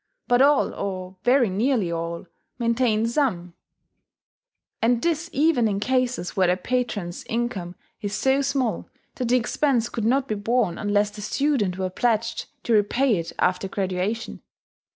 But all, or very nearly all, maintain some, and this even in cases where the patron's income is so small that the expense could not be borne unless the student were pledged to repay it after graduation.